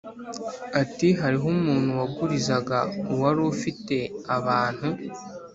Ati Hariho umuntu wagurizaga wari ufite abantu